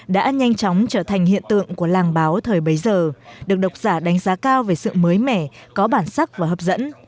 đã nhanh chóng trở thành hiện tượng của làng báo thời bấy giờ được độc giả đánh giá cao về sự mới mẻ có bản sắc và hấp dẫn